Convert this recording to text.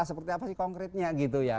seperti apa sih konkretnya gitu ya